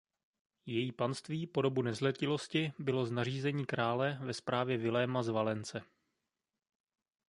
Její panství po dobu nezletilosti bylo z nařízení krále ve správě Viléma z Valence.